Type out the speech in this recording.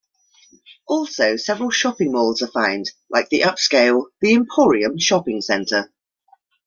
Also several shopping malls are found, like the upscale The Emporium shopping center.